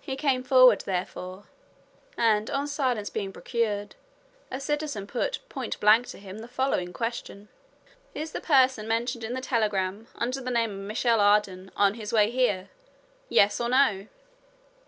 He came forward, therefore, and on silence being procured, a citizen put point blank to him the following question: "Is the person mentioned in the telegram, under the name of Michel Ardan, on his way here? Yes or no."